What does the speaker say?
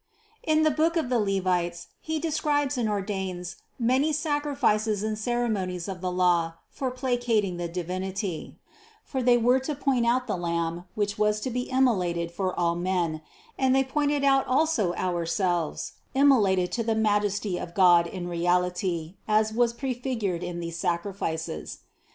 In the book of the Levites He describes and ordains many sacrifices and ceremonies of the law for placating the Divinity; for they were to point out the Lamb, which was to be immolated for all men ; and they pointed out also ourselves, immolated to the Majesty of God in reality, as was prefigured in these sacrifices.